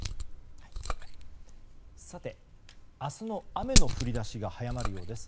明日の雨の降り出しが早まるようです。